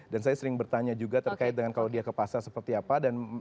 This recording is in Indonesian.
dan saya sering bertanya juga terkait dengan kalau dia ke pasar seperti apa